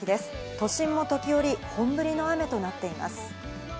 都心も時折、本降りの雨となっています。